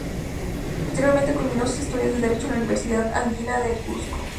Posteriormente, culminó sus estudios de Derecho en la Universidad Andina del Cusco.